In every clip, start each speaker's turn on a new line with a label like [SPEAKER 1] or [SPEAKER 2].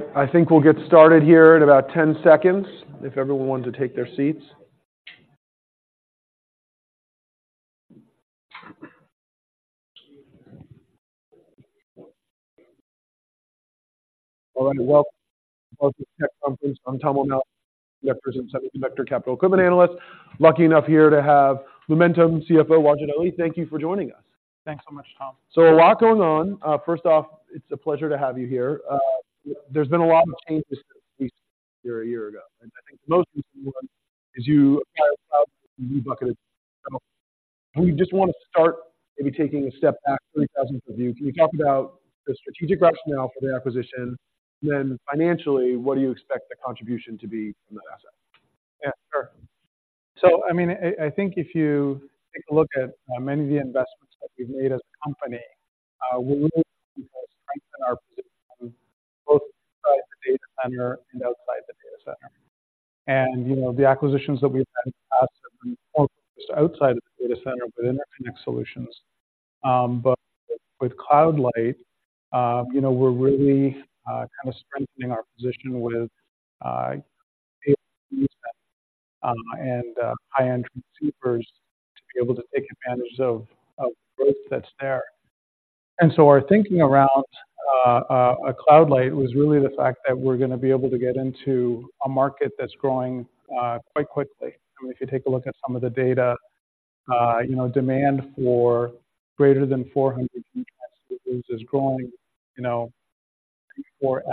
[SPEAKER 1] All right, I think we'll get started here in about 10 seconds, if everyone wants to take their seats. All right, welcome to the tech conference. I'm Tom O'Malley, semiconductor and semiconductor capital equipment analyst. Lucky enough here to have Lumentum CFO, Wajid Ali. Thank you for joining us.
[SPEAKER 2] Thanks so much, Tom.
[SPEAKER 1] So a lot going on. First off, it's a pleasure to have you here. There's been a lot of changes since we were here a year ago, and I think the most recent one is you. We just want to start maybe taking a step back, 30,000-foot view. Can you talk about the strategic rationale for the acquisition, and then financially, what do you expect the contribution to be from that asset?
[SPEAKER 2] Yeah, sure. So, I mean, I think if you take a look at many of the investments that we've made as a company, we really want to strengthen our position both inside the data center and outside the data center. And, you know, the acquisitions that we've had in the past have been more focused outside of the data center within our connect solutions. But with CloudLight, you know, we're really kind of strengthening our position with data center and high-end transceivers to be able to take advantage of growth that's there. And so our thinking around CloudLight was really the fact that we're going to be able to get into a market that's growing quite quickly. I mean, if you take a look at some of the data, you know, demand for greater than 400 transceivers is growing, you know, 4x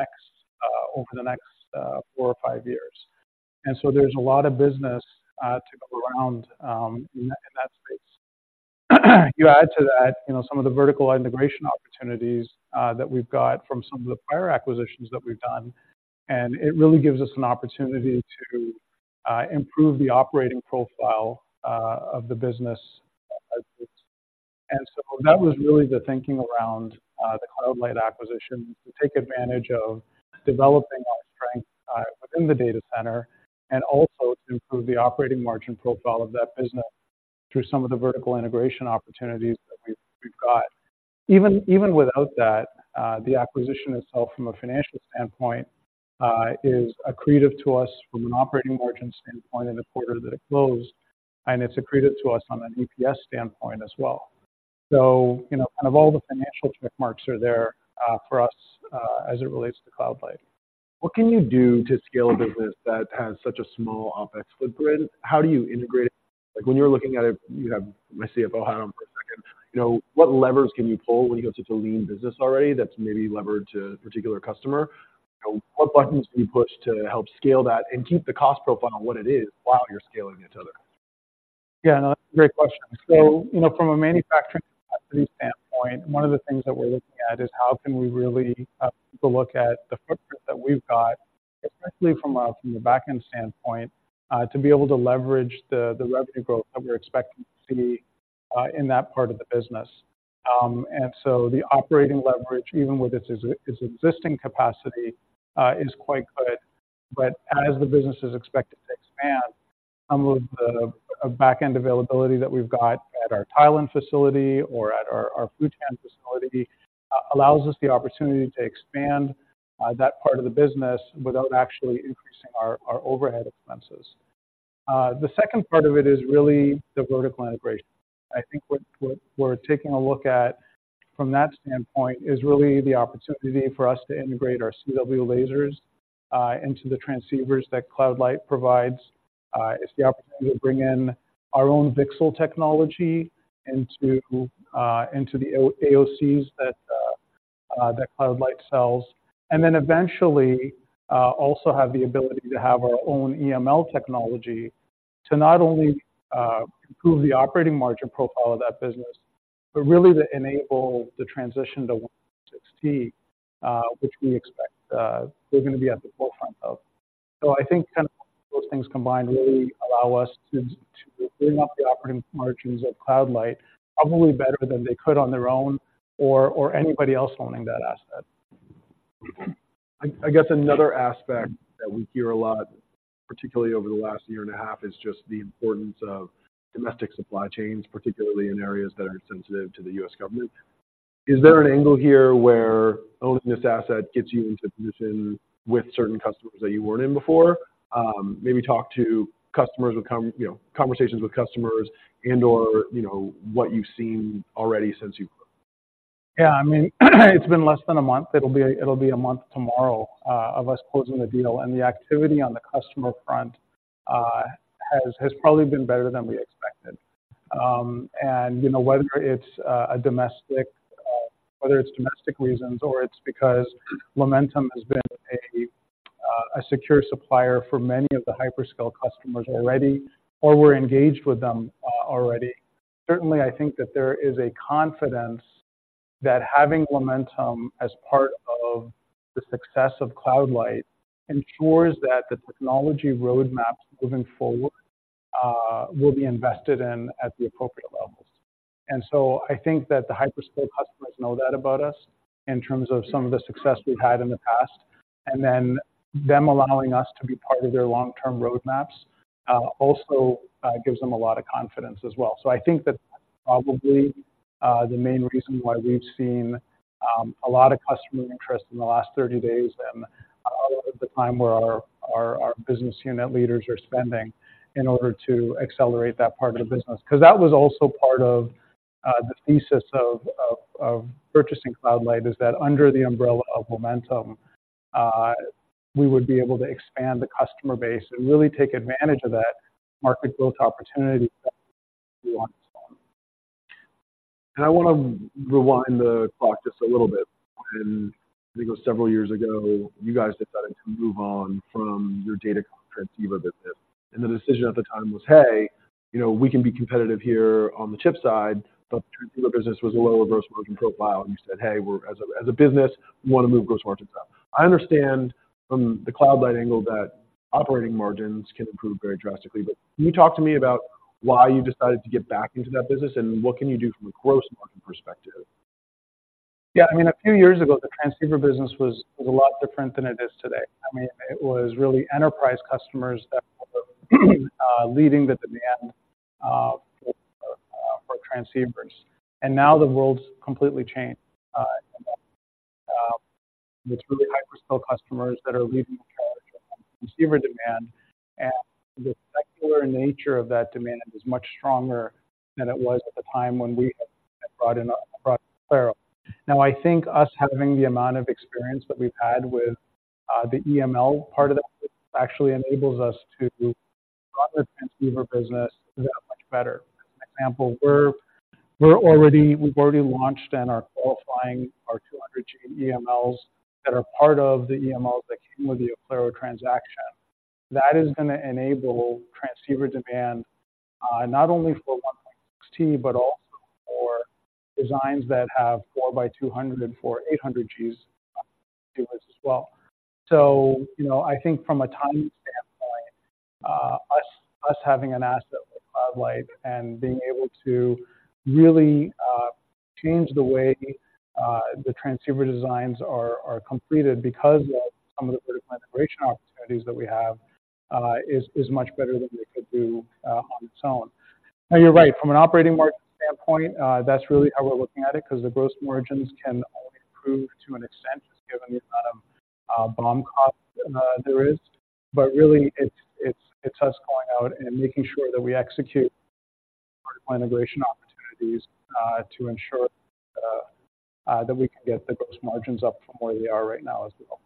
[SPEAKER 2] over the next 4 or 5 years. So there's a lot of business to go around in that space. You add to that, you know, some of the vertical integration opportunities that we've got from some of the prior acquisitions that we've done, and it really gives us an opportunity to improve the operating profile of the business as it... So that was really the thinking around the CloudLight acquisition, to take advantage of developing our strength within the data center, and also to improve the operating margin profile of that business through some of the vertical integration opportunities that we've got. Even without that, the acquisition itself from a financial standpoint is accretive to us from an operating margin standpoint in the quarter that it closed, and it's accretive to us on an EPS standpoint as well. So, you know, kind of all the financial check marks are there for us as it relates to CloudLight.
[SPEAKER 1] What can you do to scale a business that has such a small OpEx footprint? How do you integrate it? Like, when you're looking at it, you have my CFO hat on for a second, you know, what levers can you pull when you go to lean business already that's maybe levered to a particular customer? What buttons do you push to help scale that and keep the cost profile on what it is while you're scaling it to other?
[SPEAKER 2] Yeah, no, that's a great question. So, you know, from a manufacturing capacity standpoint, one of the things that we're looking at is how can we really take a look at the footprint that we've got, especially from a, from the back-end standpoint, to be able to leverage the, the revenue growth that we're expecting to see, in that part of the business. And so the operating leverage, even with its, its existing capacity, is quite good. But as the business is expected to expand, some of the, back-end availability that we've got at our Thailand facility or at our, our Futian facility, allows us the opportunity to expand, that part of the business without actually increasing our, our overhead expenses. The second part of it is really the vertical integration. I think what we're taking a look at from that standpoint is really the opportunity for us to integrate our CW lasers into the transceivers that CloudLight provides. It's the opportunity to bring in our own VCSEL technology into the AOCs that CloudLight sells. And then eventually also have the ability to have our own EML technology to not only improve the operating margin profile of that business, but really to enable the transition to 1.6T, which we expect we're going to be at the forefront of. So I think kind of those things combined really allow us to bring up the operating margins of CloudLight, probably better than they could on their own or anybody else owning that asset.
[SPEAKER 1] I guess another aspect that we hear a lot, particularly over the last year and a half, is just the importance of domestic supply chains, particularly in areas that are sensitive to the U.S. government. Is there an angle here where owning this asset gets you into a position with certain customers that you weren't in before? Maybe talk to customers. You know, conversations with customers and, or, you know, what you've seen already since you've-
[SPEAKER 2] Yeah, I mean, it's been less than a month. It'll be a month tomorrow, of us closing the deal, and the activity on the customer front has probably been better than we expected. And you know, whether it's domestic reasons or it's because Lumentum has been a secure supplier for many of the hyperscale customers already or we're engaged with them already. Certainly, I think that there is a confidence that having Lumentum as part of the success of CloudLight ensures that the technology roadmaps moving forward will be invested in at the appropriate levels. And so I think that the hyperscale customers know that about us in terms of some of the success we've had in the past, and then them allowing us to be part of their long-term roadmaps.... Also, gives them a lot of confidence as well. So I think that's probably the main reason why we've seen a lot of customer interest in the last 30 days and a lot of the time where our business unit leaders are spending in order to accelerate that part of the business. Because that was also part of the thesis of purchasing CloudLight, is that under the umbrella of Lumentum, we would be able to expand the customer base and really take advantage of that market growth opportunity that we want.
[SPEAKER 1] I wanna rewind the clock just a little bit. I think it was several years ago, you guys decided to move on from your data transceiver business, and the decision at the time was, "Hey, you know, we can be competitive here on the chip side," but the transceiver business was a lower gross margin profile. You said, "Hey, we're, as a business, we wanna move gross margins up." I understand from the CloudLight angle that operating margins can improve very drastically, but can you talk to me about why you decided to get back into that business and what can you do from a gross margin perspective?
[SPEAKER 2] Yeah, I mean, a few years ago, the transceiver business was a lot different than it is today. I mean, it was really enterprise customers that were leading the demand for transceivers. And now the world's completely changed. It's really hyperscale customers that are leading transceiver demand, and the secular nature of that demand is much stronger than it was at the time when we had brought in Oclaro. Now, I think us having the amount of experience that we've had with the EML part of that actually enables us to broaden the transceiver business that much better. For example, we've already launched and are qualifying our 200G EMLs that are part of the EMLs that came with the Oclaro transaction. That is gonna enable transceiver demand, not only for 1.6T, but also for designs that have 4 by 200 for 800Gs as well. So, you know, I think from a timing standpoint, us having an asset with CloudLight and being able to really change the way the transceiver designs are completed because of some of the vertical integration opportunities that we have is much better than we could do on its own. Now, you're right. From an operating margin standpoint, that's really how we're looking at it, because the gross margins can only improve to an extent, given the amount of BOM cost there is. But really, it's us going out and making sure that we execute integration opportunities to ensure that we can get the gross margins up from where they are right now as well.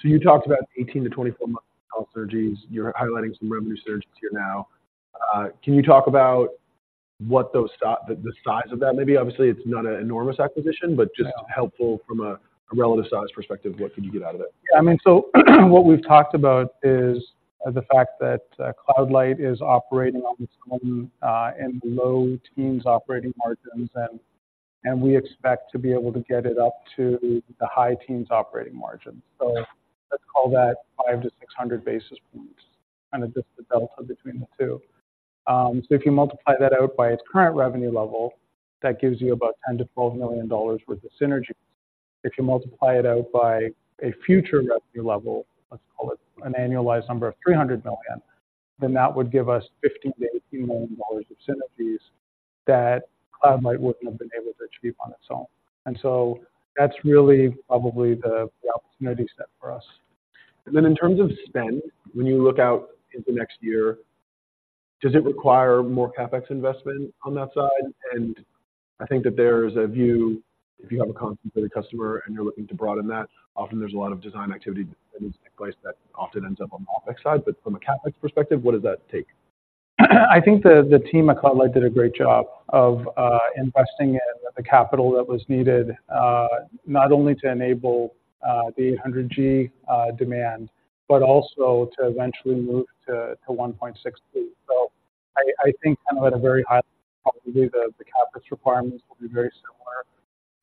[SPEAKER 1] So you talked about 18-24 months synergies. You're highlighting some revenue synergies here now. Can you talk about what those, the size of that, may be? Obviously, it's not an enormous acquisition, but just helpful from a relative size perspective, what could you get out of it?
[SPEAKER 2] Yeah, I mean, so what we've talked about is the fact that, CloudLight is operating on its own, in the low teens operating margins, and we expect to be able to get it up to the high teens operating margins. So let's call that 500-600 basis points, kind of just the delta between the two. So if you multiply that out by its current revenue level, that gives you about $10 million-$12 million worth of synergies. If you multiply it out by a future revenue level, let's call it an annualized number of $300 million, then that would give us $15 million-$18 million of synergies that CloudLight wouldn't have been able to achieve on its own. And so that's really probably the opportunity set for us.
[SPEAKER 1] Then in terms of spend, when you look out into next year, does it require more CapEx investment on that side? I think that there's a view, if you have a concentrated customer and you're looking to broaden that, often there's a lot of design activity that is in place that often ends up on the OpEx side. From a CapEx perspective, what does that take?
[SPEAKER 2] I think the team at CloudLight did a great job of investing in the capital that was needed, not only to enable the 800G demand, but also to eventually move to 1.6T. So I think kind of at a very high level, probably the CapEx requirements will be very similar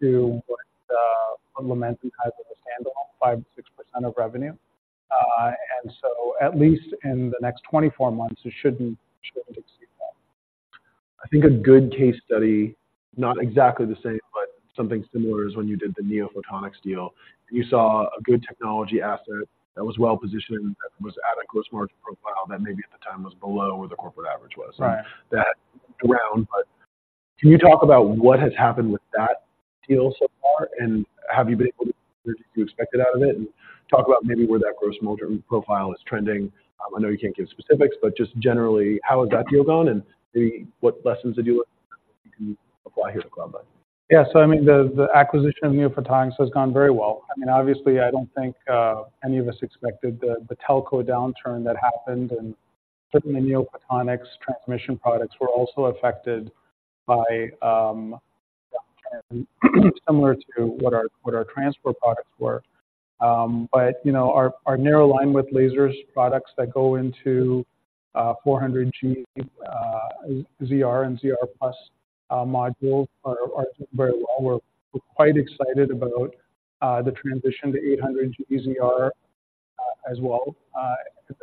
[SPEAKER 2] to what Lumentum has as a standalone, 5%-6% of revenue. And so at least in the next 24 months, it shouldn't exceed that.
[SPEAKER 1] I think a good case study, not exactly the same, but something similar, is when you did the NeoPhotonics deal. You saw a good technology asset that was well-positioned, that was at a gross margin profile that maybe at the time was below where the corporate average was.
[SPEAKER 2] Right.
[SPEAKER 1] But can you talk about what has happened with that deal so far, and have you been able to do what you expected out of it? And talk about maybe where that gross margin profile is trending. I know you can't give specifics, but just generally, how has that deal gone and maybe what lessons did you learn you can apply here to CloudLight?
[SPEAKER 2] Yeah. So I mean, the acquisition of NeoPhotonics has gone very well. I mean, obviously, I don't think any of us expected the telco downturn that happened, and certainly NeoPhotonics transmission products were also affected by similar to what our transport products were. But you know, our narrow linewidth lasers, products that go into 400G ZR and ZR plus modules are very well. We're quite excited about the transition to 800G ZR as well.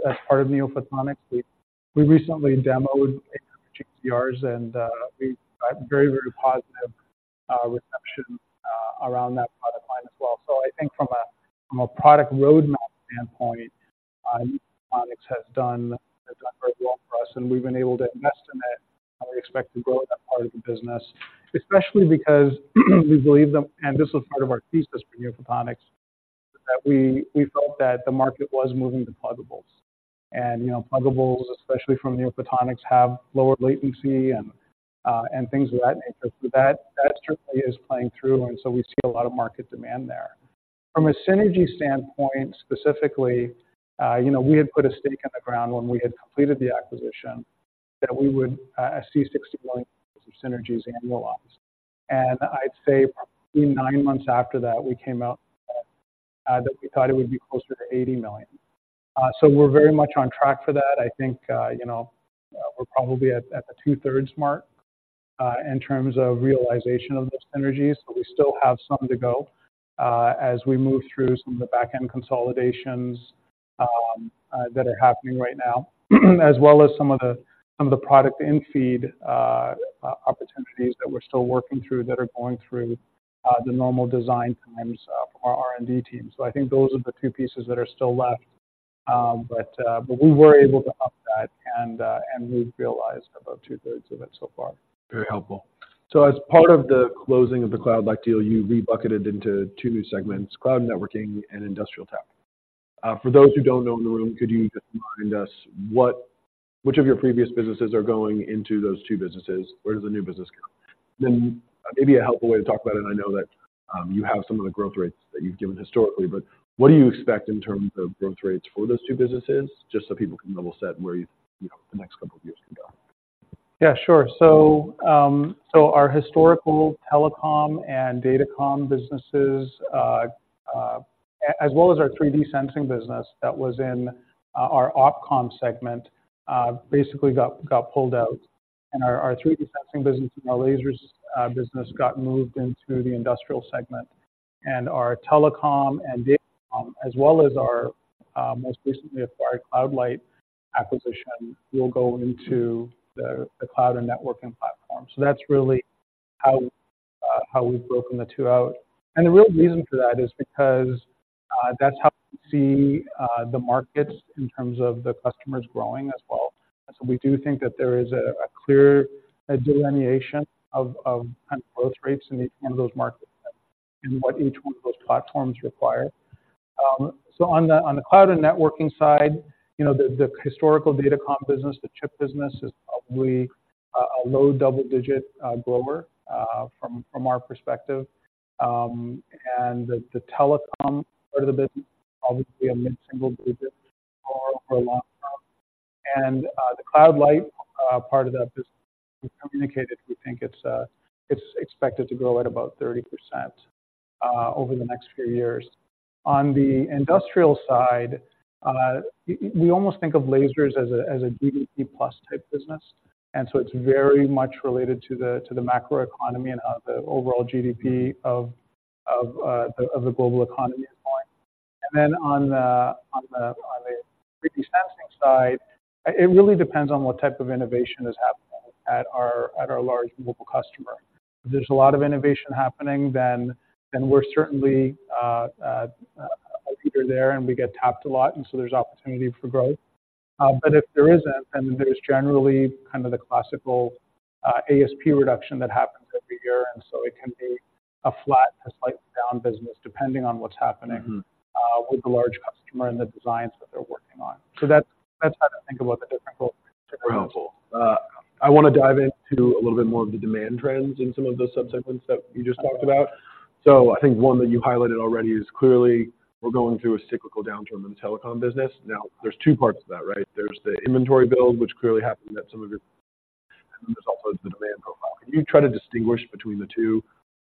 [SPEAKER 2] As part of NeoPhotonics, we recently demoed 800G ZRs and we got very, very positive reception around that product line as well. So I think from a product roadmap standpoint, Photonics has done very well for us, and we've been able to invest in it, and we expect to grow that part of the business. Especially because we believe that, and this was part of our thesis for NeoPhotonics, that we felt that the market was moving to pluggables. You know, pluggables, especially from NeoPhotonics, have lower latency and things of that nature. That certainly is playing through, and so we see a lot of market demand there. From a synergy standpoint, specifically, you know, we had put a stake in the ground when we had completed the acquisition, that we would see $60 million synergies annualized. I'd say probably nine months after that, we came out that we thought it would be closer to $80 million. So we're very much on track for that. I think, you know, we're probably at the two-thirds mark in terms of realization of those synergies, but we still have some to go as we move through some of the back-end consolidations that are happening right now. As well as some of the product in-feed opportunities that we're still working through, that are going through the normal design times from our R&D team. So I think those are the two pieces that are still left. But we were able to up that, and we've realized about two-thirds of it so far.
[SPEAKER 1] Very helpful. So as part of the closing of the CloudLight deal, you rebucketed into two new segments: Cloud Networking and Industrial Tech. For those who don't know in the room, could you just remind us what... Which of your previous businesses are going into those two businesses? Where does the new business come? Then maybe a helpful way to talk about it, I know that, you have some of the growth rates that you've given historically, but what do you expect in terms of growth rates for those two businesses, just so people can level set where you, you know, the next couple of years can go?
[SPEAKER 2] Yeah, sure. So, our historical telecom and datacom businesses, as well as our 3D sensing business that was in our OpCom segment, basically got pulled out. And our 3D sensing business and our lasers business got moved into the industrial segment. And our telecom and datacom, as well as our most recently acquired CloudLight acquisition, will go into the Cloud and Networking platform. So that's really how we've broken the two out. And the real reason for that is because that's how we see the markets in terms of the customers growing as well. So we do think that there is a clear delineation of kind of growth rates in each one of those markets and what each one of those platforms require. So on the, on the Cloud and Networking side, you know, the, the historical Datacom business, the chip business, is probably a, a low double-digit grower, from, from our perspective. And the, the Telecom part of the business, obviously, a mid single digit over a long term. And, the CloudLight part of that business, we communicated, we think it's, it's expected to grow at about 30% over the next few years. On the industrial side, we, we almost think of lasers as a, as a GDP plus type business, and so it's very much related to the, to the macroeconomy and how the overall GDP of, of, of the global economy is going. Then on the 3D sensing side, it really depends on what type of innovation is happening at our large mobile customer. If there's a lot of innovation happening then we're certainly a leader there, and we get tapped a lot, and so there's opportunity for growth. But if there isn't, then there's generally kind of the classical ASP reduction that happens every year, and so it can be a flat to slightly down business, depending on what's happening-
[SPEAKER 1] Mm-hmm.
[SPEAKER 2] with the large customer and the designs that they're working on. So that's, that's how to think about the different growth.
[SPEAKER 1] Very helpful. I wanna dive into a little bit more of the demand trends in some of the subsegments that you just talked about. So I think one that you highlighted already is clearly we're going through a cyclical downturn in the telecom business. Now, there's two parts to that, right? There's the inventory build, which clearly happened at some of your... And then there's also the demand profile. Can you try to distinguish between the two?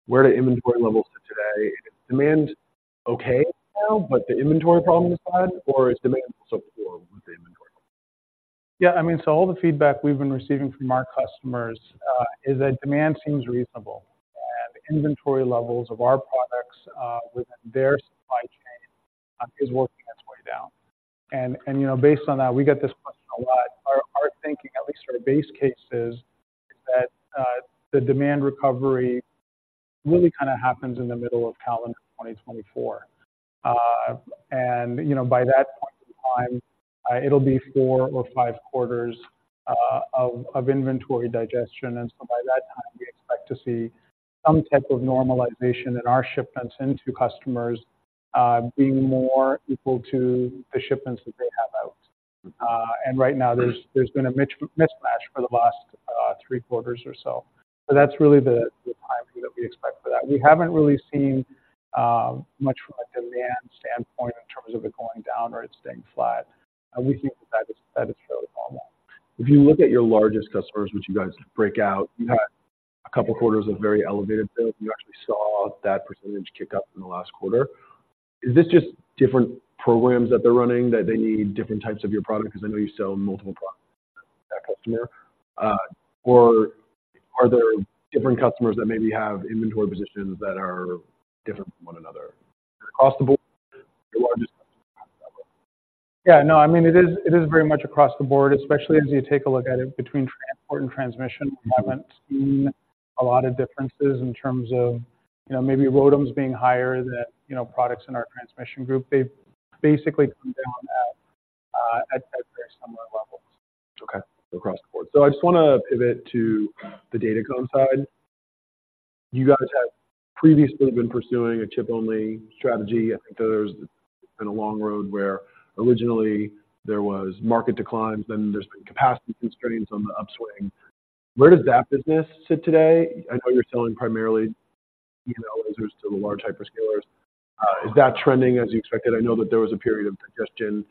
[SPEAKER 1] Where do inventory levels sit today? Is demand okay now, but the inventory problem is bad, or is demand also poor with the inventory?
[SPEAKER 2] Yeah, I mean, so all the feedback we've been receiving from our customers is that demand seems reasonable, and inventory levels of our products within their supply chain is working its way down. And you know, based on that, we get this question a lot. Our thinking, at least for a base case, is that the demand recovery really kind of happens in the middle of calendar 2024. And you know, by that point in time, it'll be 4 or 5 quarters of inventory digestion, and so by that time, we expect to see some type of normalization in our shipments into customers being more equal to the shipments that they have out. And right now, there's been a mismatch for the last 3 quarters or so. So that's really the timing that we expect for that. We haven't really seen much from a demand standpoint in terms of it going down or it staying flat, and we think that is fairly normal.
[SPEAKER 1] If you look at your largest customers, which you guys break out, you had a couple quarters of very elevated bill. You actually saw that percentage kick up in the last quarter. Is this just different programs that they're running, that they need different types of your product? Because I know you sell multiple products to that customer. Or are there different customers that maybe have inventory positions that are different from one another? Across the board, your largest-...
[SPEAKER 2] Yeah, no, I mean, it is, it is very much across the board, especially as you take a look at it between transport and transmission. We haven't seen a lot of differences in terms of, you know, maybe ROADMs being higher than, you know, products in our transmission group. They've basically come down at very similar levels.
[SPEAKER 1] Okay. Across the board. So I just want to pivot to the Datacom side. You guys have previously been pursuing a chip-only strategy. I think there's been a long road where originally there was market declines, then there's been capacity constraints on the upswing. Where does that business sit today? I know you're selling primarily, you know, to the large hyperscalers. Is that trending as you expected? I know that there was a period of digestion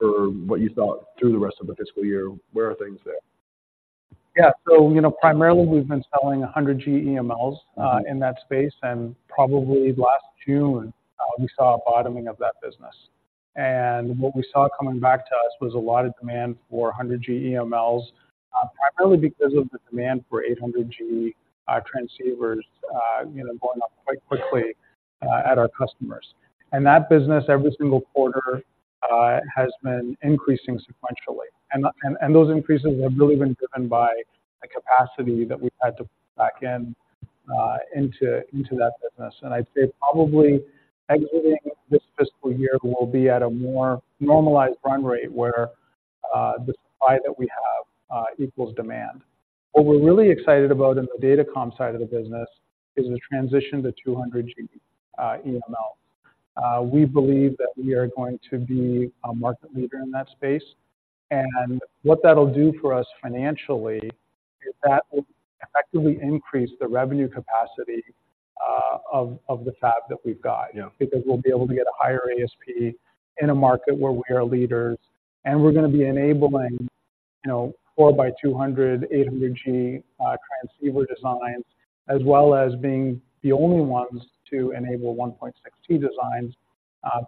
[SPEAKER 1] for what you thought through the rest of the fiscal year. Where are things there?
[SPEAKER 2] Yeah. So, you know, primarily we've been selling 100G EMLs in that space, and probably last June we saw a bottoming of that business. And what we saw coming back to us was a lot of demand for 100G EMLs primarily because of the demand for 800G transceivers, you know, going up quite quickly at our customers. And that business, every single quarter, has been increasing sequentially. And those increases have really been driven by the capacity that we've had to back into that business. And I'd say probably exiting this fiscal year, we'll be at a more normalized run rate, where the supply that we have equals demand. What we're really excited about in the Datacom side of the business is the transition to 200G EMLs. We believe that we are going to be a market leader in that space, and what that'll do for us financially is that will effectively increase the revenue capacity of the fab that we've got.
[SPEAKER 1] Yeah.
[SPEAKER 2] Because we'll be able to get a higher ASP in a market where we are leaders, and we're going to be enabling, you know, 4 by 200, 800G transceiver designs, as well as being the only ones to enable 1.6T designs,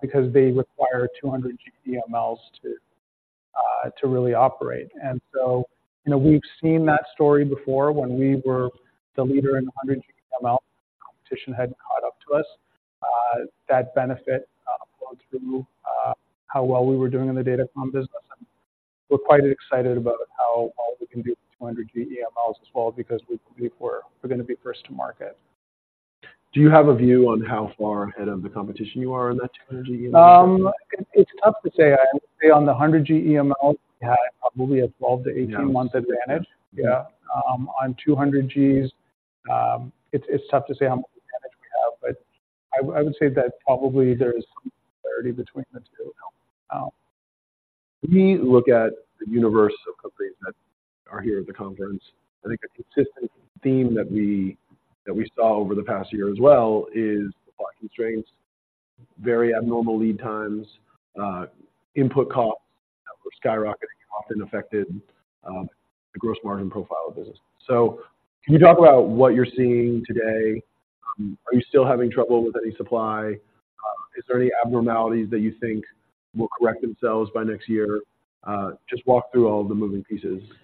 [SPEAKER 2] because they require 200G EMLs to really operate. And so, you know, we've seen that story before when we were the leader in 100G EML, competition had caught up to us. That benefit flowed through how well we were doing in the Datacom business, and we're quite excited about how well we can do with 200G EMLs as well, because we're going to be first to market.
[SPEAKER 1] Do you have a view on how far ahead of the competition you are in that 200G EML?
[SPEAKER 2] It's tough to say. I would say on the 100G EML, we had probably a 12- to 18-month advantage.
[SPEAKER 1] Yeah.
[SPEAKER 2] On 200Gs, it's tough to say how much advantage we have, but I would say that probably there is some clarity between the two now.
[SPEAKER 1] We look at the universe of companies that are here at the conference. I think a consistent theme that we, that we saw over the past year as well, is supply constraints, very abnormal lead times, input costs were skyrocketing, often affected, the gross margin profile of business. So can you talk about what you're seeing today? Are you still having trouble with any supply? Is there any abnormalities that you think will correct themselves by next year? Just walk through all the moving pieces you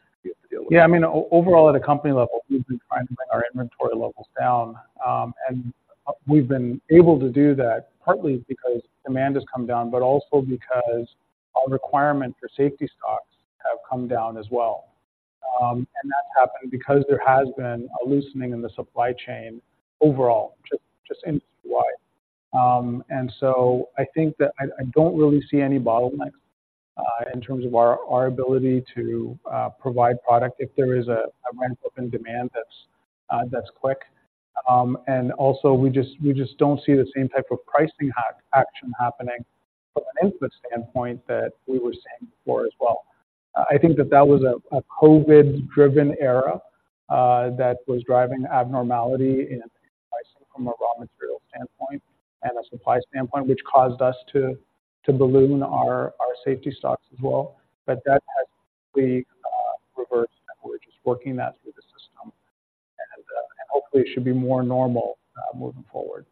[SPEAKER 1] have to deal with.
[SPEAKER 2] Yeah, I mean, overall, at a company level, we've been trying to bring our inventory levels down. And we've been able to do that partly because demand has come down, but also because our requirement for safety stocks have come down as well. And that's happened because there has been a loosening in the supply chain overall, just industry-wide. And so I think that I don't really see any bottlenecks in terms of our ability to provide product if there is a ramp-up in demand that's quick. And also we just don't see the same type of pricing action happening from an input standpoint that we were seeing before as well. I think that that was a COVID-driven era that was driving abnormality in pricing from a raw material standpoint and a supply standpoint, which caused us to balloon our safety stocks as well. But that has completely reversed, and we're just working that through the system, and hopefully it should be more normal moving forward.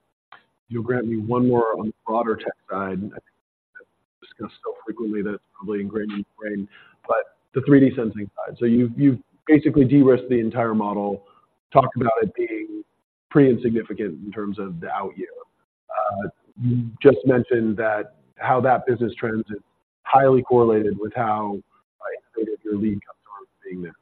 [SPEAKER 1] You'll grant me one more on the broader tech side. I discuss so frequently that it's probably ingrained in your brain, but the 3D sensing side. So you've basically de-risked the entire model, talked about it being pretty insignificant in terms of the out year. You just mentioned that how that business trends is highly correlated with how, like, your lead customers are being there.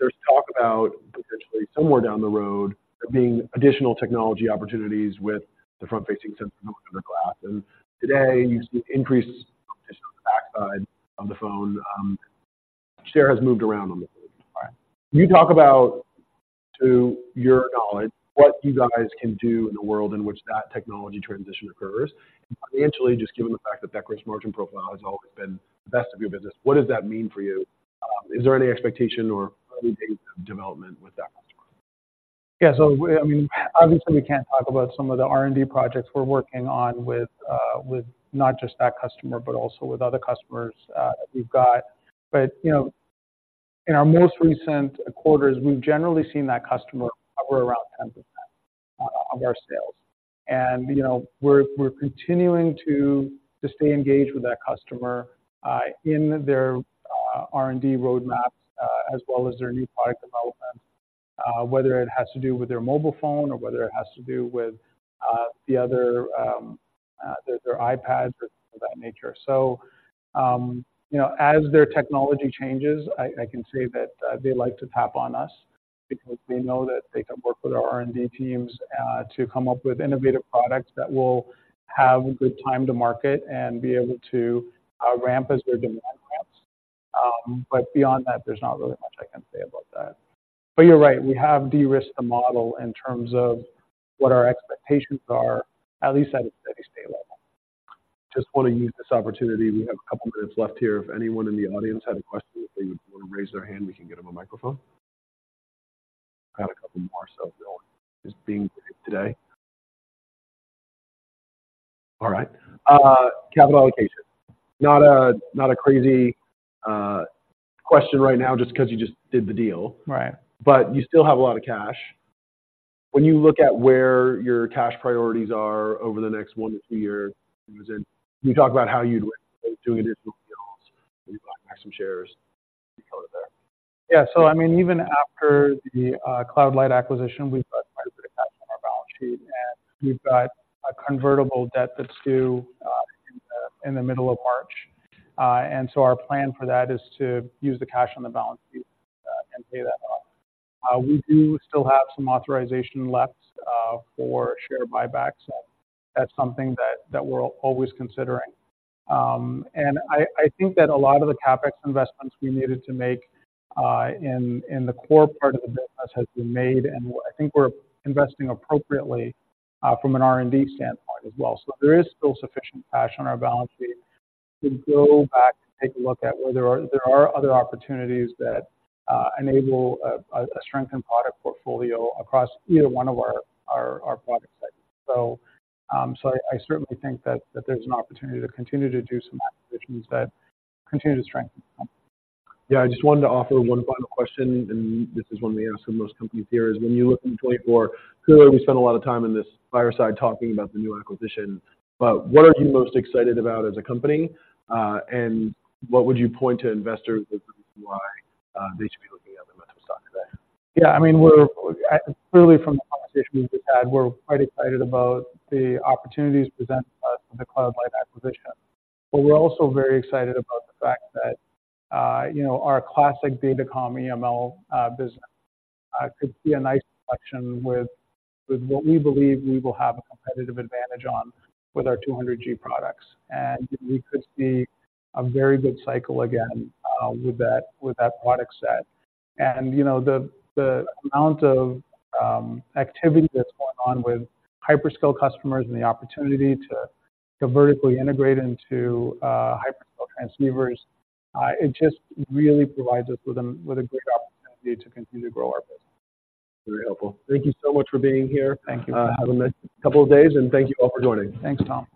[SPEAKER 1] There's talk about potentially somewhere down the road there being additional technology opportunities with the front-facing sensor under glass, and today you see increased competition on the back side of the phone. Share has moved around on the... Can you talk about, to your knowledge, what you guys can do in a world in which that technology transition occurs? Financially, just given the fact that that gross margin profile has always been the best of your business, what does that mean for you? Is there any expectation or early days of development with that customer?
[SPEAKER 2] Yeah, so I mean, obviously, we can't talk about some of the R&D projects we're working on with, with not just that customer, but also with other customers, that we've got. But, you know, in our most recent quarters, we've generally seen that customer hover around 10% of our sales. And, you know, we're continuing to stay engaged with that customer, in their, R&D roadmaps, as well as their new product development, whether it has to do with their mobile phone or whether it has to do with, the other, their iPads or of that nature. So, you know, as their technology changes, I can say that they like to tap on us because they know that they can work with our R&D teams to come up with innovative products that will have good time to market and be able to ramp as their demand ramps. But beyond that, there's not really much I can say about that. But you're right, we have de-risked the model in terms of what our expectations are, at least at a steady state level.
[SPEAKER 1] Just want to use this opportunity. We have a couple minutes left here. If anyone in the audience had a question, if they would want to raise their hand, we can get them a microphone. I had a couple more, so Bill is being today. All right. Capital allocation. Not a, not a crazy question right now, just because you just did the deal.
[SPEAKER 2] Right.
[SPEAKER 1] But you still have a lot of cash. When you look at where your cash priorities are over the next 1-2 years, can you talk about how you'd do additional deals, you buy back some shares, kind of there?
[SPEAKER 2] Yeah. So I mean, even after the CloudLight acquisition, we've got quite a bit of cash on our balance sheet, and we've got a convertible debt that's due in the middle of March. And so our plan for that is to use the cash on the balance sheet and pay that off. We do still have some authorization left for share buybacks, and that's something that we're always considering. And I think that a lot of the CapEx investments we needed to make in the core part of the business has been made, and I think we're investing appropriately from an R&D standpoint as well. So there is still sufficient cash on our balance sheet to go back and take a look at where there are—there are other opportunities that enable a strengthened product portfolio across either one of our product segments. So, so I certainly think that there's an opportunity to continue to do some acquisitions that continue to strengthen the company.
[SPEAKER 1] Yeah. I just wanted to offer one final question, and this is one we ask of most companies here, is when you look in 2024, clearly, we spent a lot of time in this fireside talking about the new acquisition. But what are you most excited about as a company? And what would you point to investors as why they should be looking at the Lumentum stock today?
[SPEAKER 2] Yeah, I mean, we're clearly from the conversation we've just had, we're quite excited about the opportunities presented to us in the CloudLight acquisition. But we're also very excited about the fact that, you know, our classic Datacom EML business could be a nice collection with what we believe we will have a competitive advantage on with our 200G products. And we could see a very good cycle again with that product set. And, you know, the amount of activity that's going on with hyperscale customers and the opportunity to vertically integrate into hyperscale transceivers, it just really provides us with a great opportunity to continue to grow our business.
[SPEAKER 1] Very helpful. Thank you so much for being here.
[SPEAKER 2] Thank you.
[SPEAKER 1] Have a couple of days, and thank you all for joining.
[SPEAKER 2] Thanks, Tom.